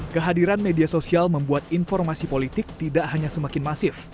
kehadiran media sosial membuat informasi politik tidak hanya semakin masif